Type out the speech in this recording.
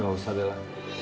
gak usah bella